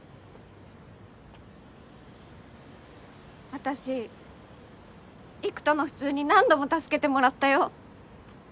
私偉人の「普通」に何度も助けてもらったよ。